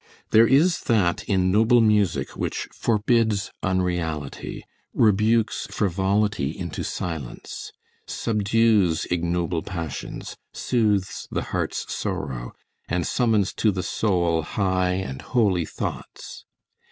There is that in noble music which forbids unreality, rebukes frivolity into silence, subdues ignoble passions, soothes the heart's sorrow, and summons to the soul high and holy thoughts.